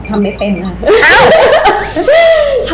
ทำไม่ได้ครับ